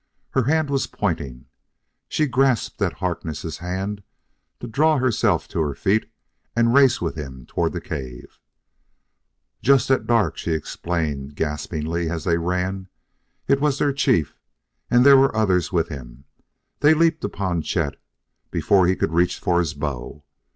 Her hand was pointing. She grasped at Harkness' hand to draw herself to her feet and race with him toward the cave. "Just at dark," she explained gaspingly as they ran. "It was their chief, and there were others with him. They leaped upon Chet before he could reach for his bow.